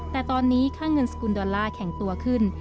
แต่ตอนนี้ค่าเงินสกุลดอลลาร์แข็งตัวขึ้น